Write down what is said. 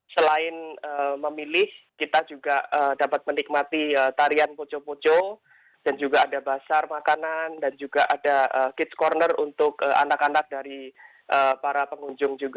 selain memilih kita juga dapat menikmati tarian pojo pojo dan juga ada basar makanan dan juga ada kids corner untuk anak anak dari para pengunjung juga